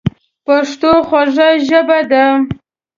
پښتو خوږه ژبه ده.